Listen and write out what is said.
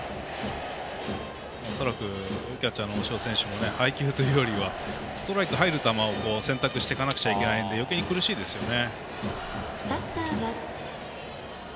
恐らくキャッチャーの大城選手も配球というよりはストライク入る球を選択していかないといけないのでよけいに苦しいですよね。